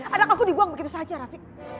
anak aku dibuang begitu saja rafi